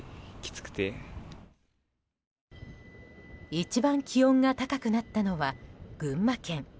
一番気温が高くなったのが群馬県。